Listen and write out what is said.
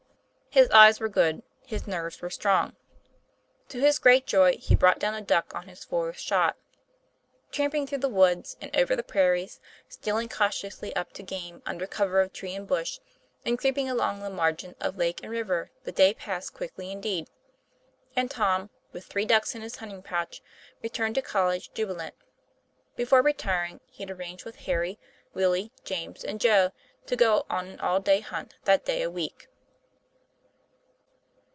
His eyes were good, his nerves strong. To his great joy 224 TOM PLAY FAIR. he brought down a duck on his fourth shot. Tramp ing through the woods and over the prairies, stealing cautiously up to game under cover of tree and bush, and creeping along the margin of lake and river, the day passed quickly indeed; and Tom, with three ducks in his hunting pouch, returned to college jubi lant. Before retiring, he had arranged with Harry, Willie, James, and Joe to go on an all day hunt that day a week.